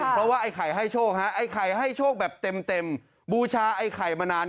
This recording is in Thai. เพราะว่าไอ้ไข่ให้โชคฮะไอ้ไข่ให้โชคแบบเต็มบูชาไอ้ไข่มานาน